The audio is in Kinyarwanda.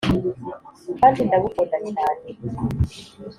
kandi ndagukunda cyne